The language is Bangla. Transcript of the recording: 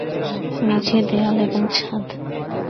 মেঝে, দেয়াল এবং ছাদ।